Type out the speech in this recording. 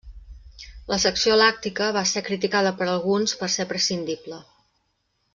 La secció làctica va ser criticada per alguns per ser prescindible.